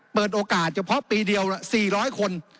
เปิดโอกาสเฉพาะปีเดียว๔๐๐คน